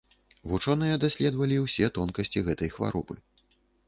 Вучоныя даследавалі ўсе тонкасці гэтай хваробы.